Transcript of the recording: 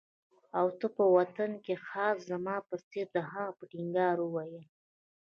او ته په باطن کې خاص زما په څېر يې. هغه په ټینګار وویل.